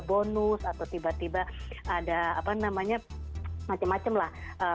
ada bonus atau tiba tiba ada apa namanya macem macem lah